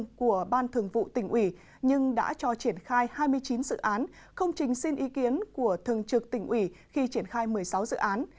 các ban thường vụ tỉnh ủy nhưng đã cho triển khai hai mươi chín dự án không trình xin ý kiến của thường trực tỉnh ủy khi triển khai một mươi sáu dự án